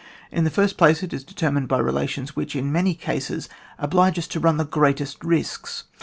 In the first place, it is determined by relations which, in many oases, oblige us to run the greatest risks.